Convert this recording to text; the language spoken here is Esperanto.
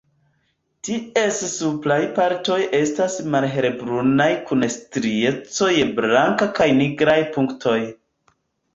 Ties supraj partoj estas malhelbrunaj kun strieco je blanka kaj nigraj punktoj.